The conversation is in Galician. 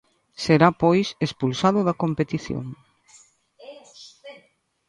Será pois expulsado da competición.